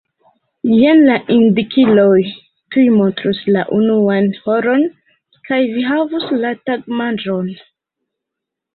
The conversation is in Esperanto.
Jen la indikiloj tuj montrus la unuan horon kaj vi havus la tagmanĝon.